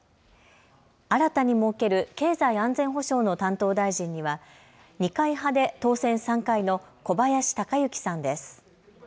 新たに設ける経済安全保障の担当大臣には、二階派で当選３回の小林鷹之さんです。